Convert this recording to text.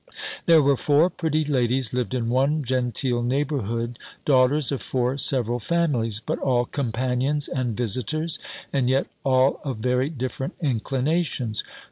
"There were four pretty ladies lived in one genteel neighbourhood, daughters of four several families; but all companions and visitors; and yet all of very different inclinations.